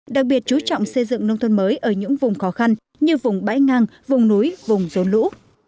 đặc biệt chú trọng xây dựng nông thôn mới ở những vùng khó khăn như vùng bãi ngang vùng núi vùng rốn lũ